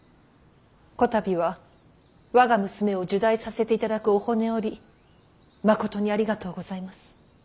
こたびは我が娘を入内させていただくお骨折りまことにありがとうございます。